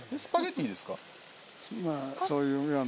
まあ。